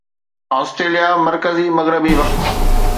Australia مرڪزي مغربي وقت